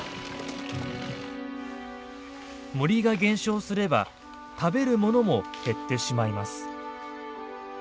森が減少すれば食べるものも減ってしまいます。